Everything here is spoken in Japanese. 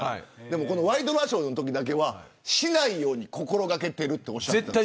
でもワイドショーのときだけはしないように心掛けてるとおっしゃった。